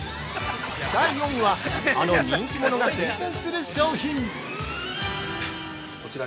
◆第４位はあの人気者が推薦する商品！